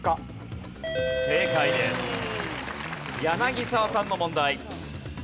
柳澤さんの問題。